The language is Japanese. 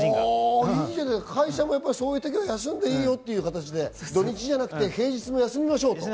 会社もそういう時は休んでいいよって形で、土日じゃなくて平日も休みましょうと。